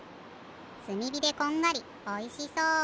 すみびでこんがりおいしそう。